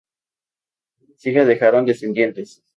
Ambas hijas dejaron descendientes.